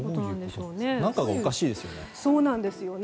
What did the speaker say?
何かがおかしいですよね。